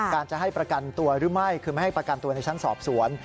จะให้ประกันตัวหรือไม่คือไม่ให้ประกันตัวในชั้นสอบสวน